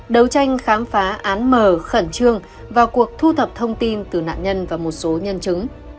đấu tranh khám phá án mở khẩn trương vào cuộc thu thập thông tin từ nạn nhân và một số nhân chứng